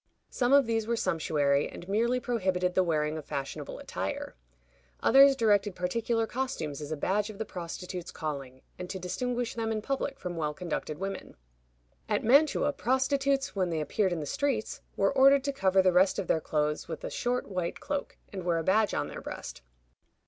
Some of these were sumptuary, and merely prohibited the wearing of fashionable attire. Others directed particular costumes as a badge of the prostitute's calling, and to distinguish them in public from well conducted women. At Mantua, prostitutes, when they appeared in the streets, were ordered to cover the rest of their clothes with a short white cloak, and wear a badge on their breast.